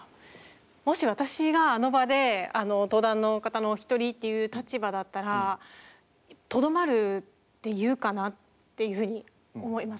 もし私があの場で登壇の方の一人っていう立場だったらとどまるって言うかなっていうふうに思います。